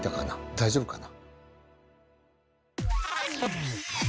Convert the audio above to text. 大丈夫かな？